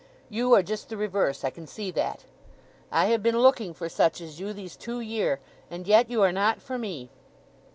You are just the reverse—I can see that. I have been looking for such as you these two year, and yet you are not for me.